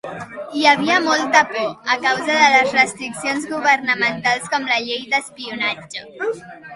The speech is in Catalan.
Hi havia molta por, a causa de les restriccions governamentals com la Llei d'Espionatge.